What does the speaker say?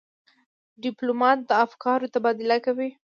ډيپلومات د افکارو تبادله کوي.